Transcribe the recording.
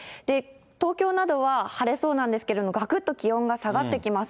東京などは晴れそうなんですけれども、がくっと気温が下がってきます。